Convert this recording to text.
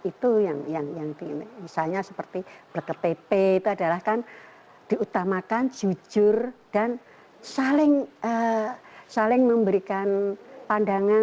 itu yang misalnya seperti berktp itu adalah kan diutamakan jujur dan saling memberikan pandangan